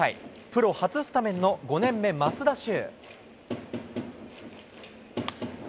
プロ初スタメンの５年目、増田珠。